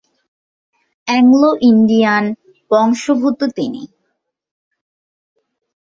Anglo-Indian বংশোদ্ভূত তিনি।